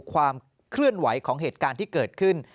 ความเคลื่อนไหวของเหตุการณ์ที่เกิดขึ้น